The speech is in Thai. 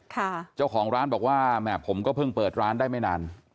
เจ้าของร้านบอกว่าแหม่ผมก็เพิ่งเปิดร้านได้ไม่นาน